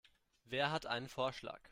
Wer hat einen Vorschlag?